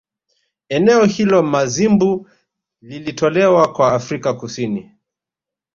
Eneo hilo Mazimbu lilitolewa kwa Afrika Kusini